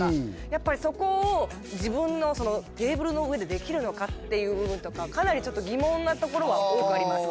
やっぱりそこを自分のテーブルの上でできるのかっていう部分とかかなりちょっと疑問なところは多くあります。